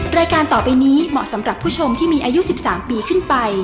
รายการต่อไปนี้เหมาะสำหรับผู้ชมที่มีอายุ๑๓ปีขึ้นไป